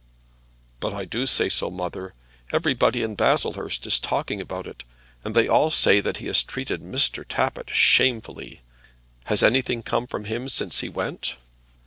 "But I do say so, mother. Everybody in Baslehurst is talking about it. And they all say that he has treated Mr. Tappitt shamefully. Has anything come from him since he went?"